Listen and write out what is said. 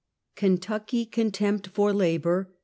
KENTUCKY CONTEMPT EOE LABOE.